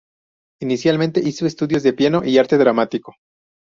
Inicialmente hizo estudios de piano y arte dramático.